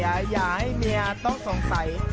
อย่าให้เมียต้องสงสัย